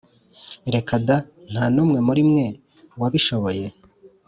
Reka da! Nta n’umwe muri mwe wabishoboye!